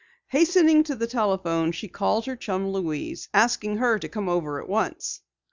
Hastening to the telephone she called her chum, Louise, asking her to come over at once.